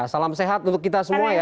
salam sehat untuk kita semua ya